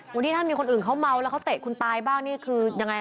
วันนี้ถ้ามีคนอื่นเขาเมาแล้วเขาเตะคุณตายบ้างนี่คือยังไง